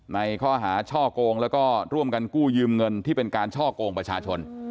ในข้อหาช่อโกงแล้วก็ร่วมกันกู้ยืมเงินที่เป็นการช่อกงประชาชน